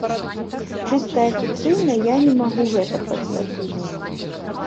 Чыста афіцыйна я не магу гэта пацвердзіць.